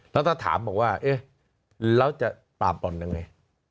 แล้วถ้าถามบอกว่าเอ๊ะแล้วจะปราบป่อนยังไง